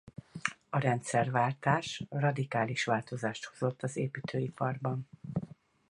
A rendszerváltás radikális változást hozott az építőiparban.